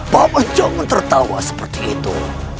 bapak jangan tertawa seperti itu